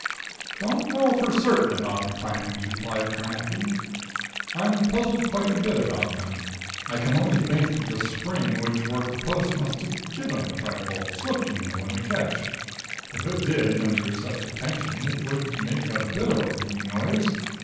"Don't know for certain about the clangs," replied Carnacki. "I've puzzled quite a bit about them. I can only think that the spring which worked the post must have 'given' a trifle, slipped you know, in the catch. If it did, under such a tension, it would make a bit of a ringing noise.